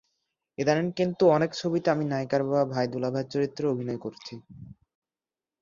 ইদানীং কিন্তু অনেক ছবিতে আমি নায়িকার বাবা, ভাই, দুলাভাইয়ের চরিত্রেও অভিনয় করছি।